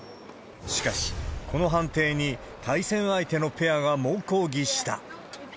しかし、この判定に対戦相手のペアが猛抗議した。